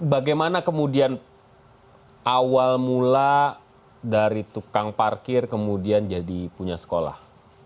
bagaimana kemudian awal mula dari tukang parkir kemudian jadi punya sekolah